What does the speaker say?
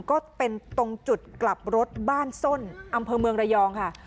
ก็เป็นตรงจุดกลับรถบ้านส้นอำเภอเมืองระยองค่ะ